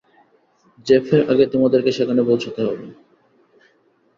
জেফের আগে তোমাদেরকে সেখানে পৌঁছাতে হবে।